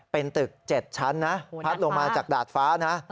เป็นตึก๗ชั้นนะพัดลงมาจากดาดฟ้านะ